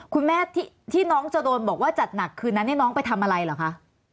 คุณแม่ที่น้องจะโดนบอกว่าจัดหนักคืนนั้นน้องไปทำอะไรเหรอคะ